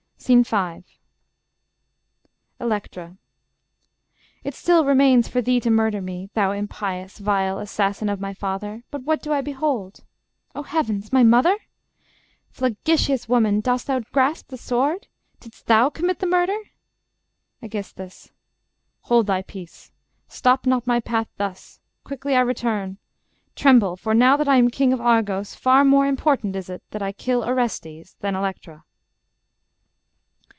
SCENE V ELECTRA AEGISTHUS Elec. It still remains for thee to murder me, Thou impious, vile assassin of my father ... But what do I behold? O Heavens! ... my mother? ... Flagitious woman, dost thou grasp the sword? Didst thou commit the murder? Aegis. Hold thy peace. Stop not my path thus; quickly I return; Tremble: for now that I am king of Argos, Far more important is it that I kill Orestes than Electra.